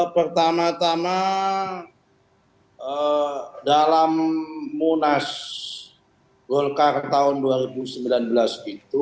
pertama tama dalam munas golkar tahun dua ribu sembilan belas itu